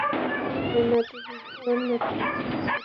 আমার নাতি বেঁচে আছে।